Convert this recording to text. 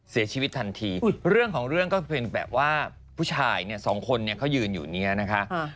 เสียชีวิตทันทีเรื่องของเรื่องก็เป็นแบบว่าผู้ชายเนี่ยสองคนเนี่ยเขายืนอยู่เนี่ยนะคะ